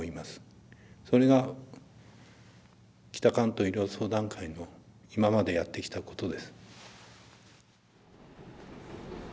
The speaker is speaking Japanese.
それが北関東医療相談会の今までやってきたことです。